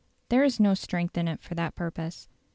There is no strength in it for that purpose.